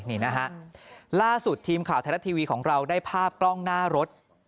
นี่นะฮะล่าสุดทีมข่าวไทยรัฐทีวีของเราได้ภาพกล้องหน้ารถ